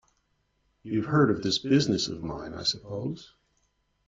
You've heard of this business of mine, I suppose?